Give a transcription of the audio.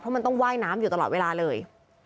มันต้องว่ายน้ำอยู่ตลอดเวลาเลย